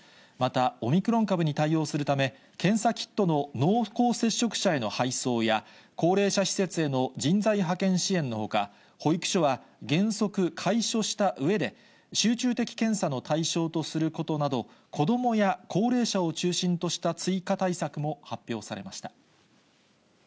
また、オミクロン株に対応するため、検査キットの濃厚接触者への配送や、高齢者施設への人材派遣支援のほか、保育所は原則開所したうえで、集中的検査の対象とすることなど、子どもや高齢者を中心とした追加対策も発表されました。